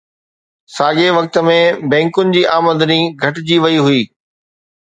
ساڳئي وقت ۾، بينڪن جي آمدني گهٽجي وئي هئي